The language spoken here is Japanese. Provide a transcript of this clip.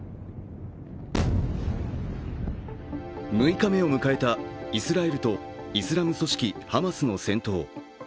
６日目を迎えたイスラエルとイスラム組織ハマスの戦闘。